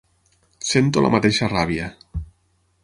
Sento la mateixa ràbia.